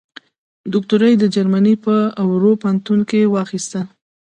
دوکتورا یې د جرمني په رور پوهنتون کې واخیسته.